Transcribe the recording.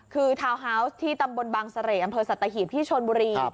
คือทาวน์ฮาวส์ที่ตำบลบางเสร่อำเภอสัตหีบที่ชนบุรี